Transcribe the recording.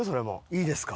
いいですか？